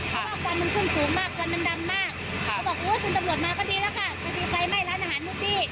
มอเตอร์ไซส์สองคันนั้นก็เป็นคนเมื่อออกงาน